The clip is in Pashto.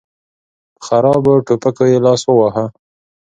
په خرابو ټوپکو يې لاس وواهه.